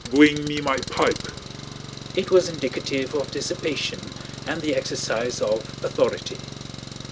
Bwing me my pipe!" It was indicative of dissipation and the exercise of authority.